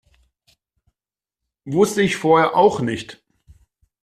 Wusste ich vorher auch nicht.